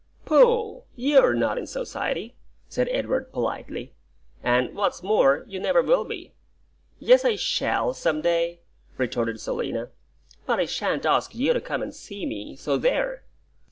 "Pooh! YOU'RE not in society," said Edward, politely; "and, what's more, you never will be." "Yes, I shall, some day," retorted Selina; "but I shan't ask you to come and see me, so there!"